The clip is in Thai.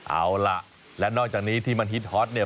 เอาล่ะและนอกจากนี้ที่มันฮิตฮอตเนี่ย